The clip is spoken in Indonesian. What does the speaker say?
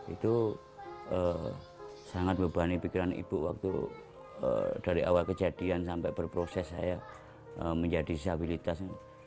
itu sangat bebani pikiran ibu waktu dari awal kejadian sampai berproses saya menjadi disabilitas